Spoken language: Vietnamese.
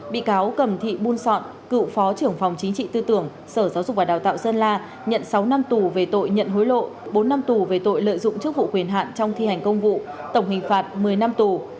bị cáo cầm thị buôn sọn cựu phó trưởng phòng chính trị tư tưởng sở giáo dục và đào tạo sơn la nhận sáu năm tù về tội nhận hối lộ bốn năm tù về tội lợi dụng chức vụ quyền hạn trong thi hành công vụ tổng hình phạt một mươi năm tù